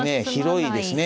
広いですね。